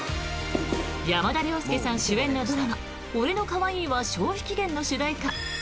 山田涼介さん主演のドラマ「俺の可愛いはもうすぐ消費期限！？」の主題歌Ｈｅｙ！